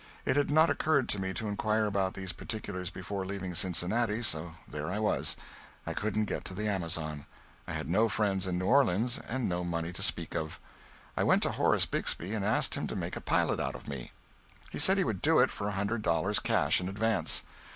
It had not occurred to me to inquire about those particulars before leaving Cincinnati, so there I was. I couldn't get to the Amazon. I had no friends in New Orleans and no money to speak of. I went to Horace Bixby and asked him to make a pilot out of me. He said he would do it for a hundred dollars cash in advance.